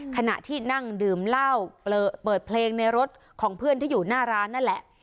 ขณะที่นั่งดื่มเหล้าเปิดเพลงในรถของเพื่อนที่อยู่หน้าร้านนั่นแหละ